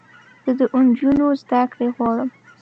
زه د انجونوو زدکړې غواړم